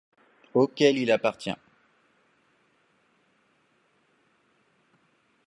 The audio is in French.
auquel il appartient